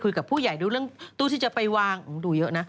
คุยกับผู้ใหญ่ดูเรื่องตู้ที่จะไปวางดูเยอะนะ